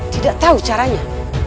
tidak tahu caranya